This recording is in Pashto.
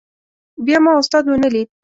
بیا ما استاد ونه لید.